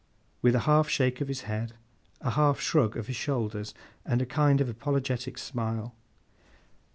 With a half shake of his head, a half shrug of his shoulders, and a kind of apologetic smile.